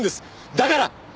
だから！